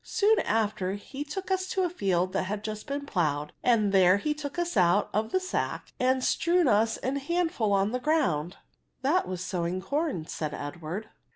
Soon after he took us to a field that had just been ploughed, and there he took us out of the sack and strewed us in handsfull on the ^oundi." " That was sowing corn," said Edward.